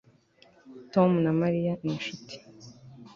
Tom na Mariya ni inshuti